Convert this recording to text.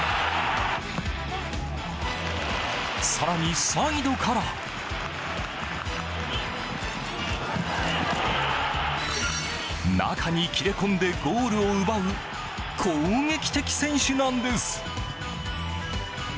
更にサイドから中に切れ込んでゴールを奪う攻撃的選手なんです。